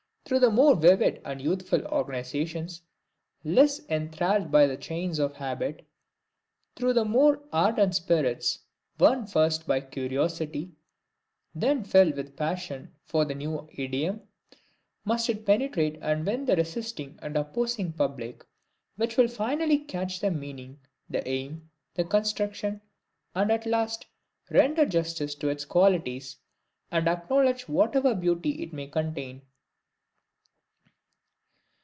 Through the more vivid and youthful organizations, less enthralled by the chains of habit; through the more ardent spirits, won first by curiosity, then filled with passion for the new idiom, must it penetrate and win the resisting and opposing public, which will finally catch the meaning, the aim, the construction, and at last render justice to its qualities, and acknowledge whatever beauty it may contain.